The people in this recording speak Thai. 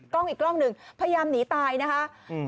กล้องอีกกล้องหนึ่งพยายามหนีตายนะคะอืม